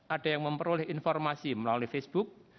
ada yang memperoleh informasi melalui facebook